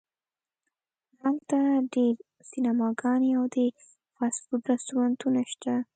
هلته ډیر سینماګانې او د فاسټ فوډ رستورانتونه شته